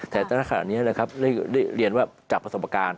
แต่ตั้งแต่ขนาดนี้เลยครับเรียนว่าจากประสบการณ์